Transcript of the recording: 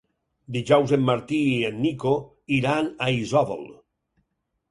Dijous en Martí i en Nico iran a Isòvol.